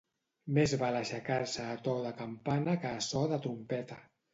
Més val aixecar-se a to de campana que a so de trompeta.